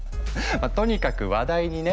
とにかく話題にね